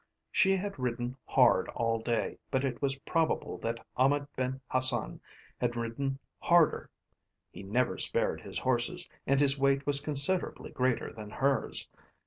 She had ridden hard all day, but it was probable that Ahmed Ben Hassan had ridden harder; he never spared his horses, and his weight was considerably greater than hers.